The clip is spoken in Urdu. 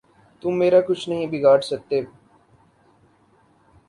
تم میرا کچھ نہیں بگاڑ سکتے۔